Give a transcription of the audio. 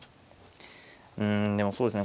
うんでもそうですね